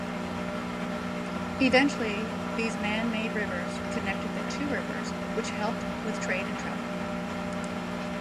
Eventually these man-made rivers connected the two rivers which helped with trade and travel.